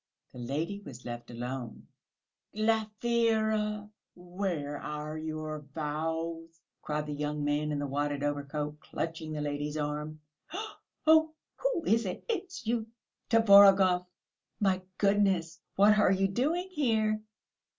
The lady was left alone. "Glafira! Where are your vows?" cried the young man in the wadded overcoat, clutching the lady's arm. "Oh, who is it? It's you, Tvorogov? My goodness! What are you doing here?"